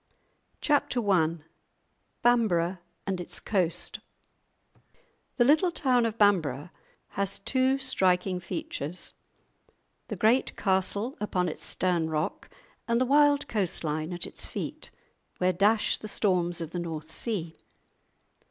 *Chapter I* *Bamburgh and its Coast* The little town of Bamburgh has two striking features—the great castle upon its stern rock, and the wild coast line at its feet where dash the storms of the North Sea.